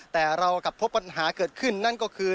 แต่เรากลับพบปัญหาเกิดขึ้นนั่นก็คือ